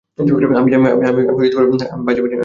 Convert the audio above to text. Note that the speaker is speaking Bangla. আমি বাজে ভান করিনি, হার্ডিন!